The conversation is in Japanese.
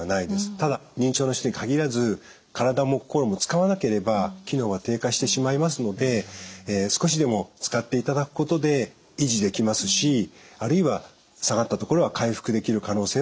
ただ認知症の人に限らず体も心も使わなければ機能は低下してしまいますので少しでも使っていただくことで維持できますしあるいは下がったところは回復できる可能性はあると思います。